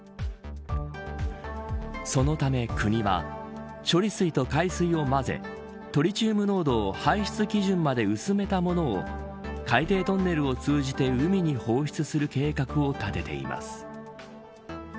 そのため、国は処理水と海水を混ぜトリチウム濃度を排出基準まで薄めたものを海底トンネルを通じて海に放出する計画を立てています。